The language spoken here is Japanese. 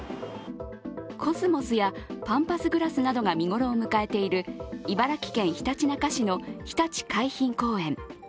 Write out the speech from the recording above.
コスモスやパンパスグラスなどが見頃を迎えている茨城県ひたちなか市のひたち海浜公園。